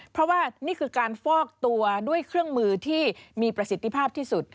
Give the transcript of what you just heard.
เพราะว่านี่คือการฟอกตัวด้วยเครื่องมือที่มีประสิทธิภาพที่สุด